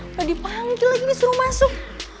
udah dipanggil lagi nih suruh masuk